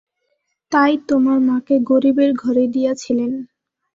তাই তোমার মাকে গরিবের ঘরেই দিয়াছিলেন।